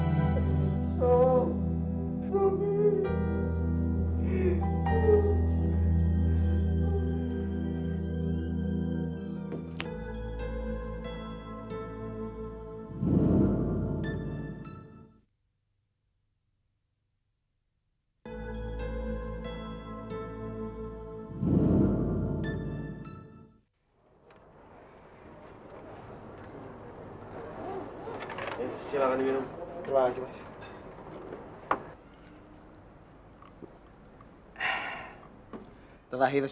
ya udah deh yuk